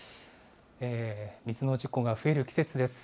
水の事故が増える季節です。